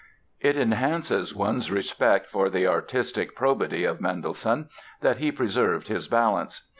It enhances one's respect for the artistic probity of Mendelssohn that he preserved his balance.